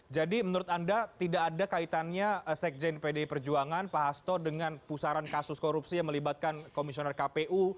jadi menurut anda tidak ada kaitannya sekjen pdi perjuangan pak hasto dengan pusaran kasus korupsi yang melibatkan komisioner kpu